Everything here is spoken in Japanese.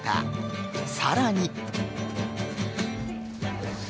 さらに。